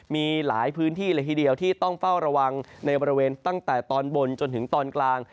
มีหลายพื้นที่เลยทีเดียวที่ต้องเฝ้าระวังในบริเวณตั้งแต่ตอนบนจนถึงตอนกลาง